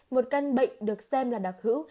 một căn bệnh được xem là đặc hữu